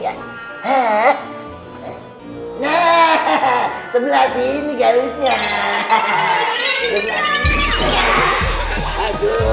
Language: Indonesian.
yang mana garis pembatasannya ya